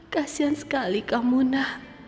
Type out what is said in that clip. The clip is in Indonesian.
kasian sekali kamu nah